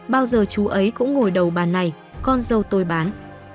bao giờ chú ấy cũng ngồi đầu bàn này con dâu tôi bán